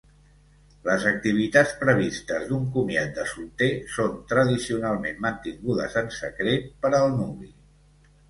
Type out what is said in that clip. Les activitats previstes d'un comiat de solter són tradicionalment mantingudes en secret per al nuvi.